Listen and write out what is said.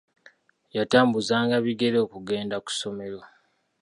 Yatambuzanga bigere okugenda ku ssomero.